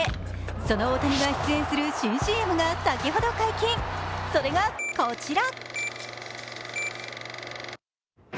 その大谷が出演する新ＣＭが先ほど解禁、それがこちら。